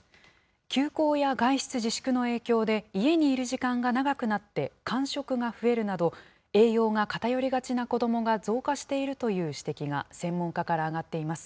休校や外出自粛の影響で、家にいる時間が長くなって間食が増えるなど、栄養が偏りがちな子どもが増加しているという指摘が専門家から上がっています。